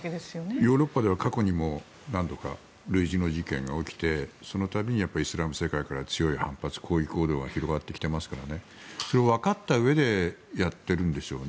ヨーロッパでは過去にも何度か類似の事件が起きてそのたびにイスラム世界から強い反発、抗議行動が広がってきていますからそれを分かったうえでやっているんでしょうね。